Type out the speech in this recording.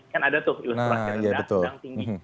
kan ada tuh ilustrasi yang tinggi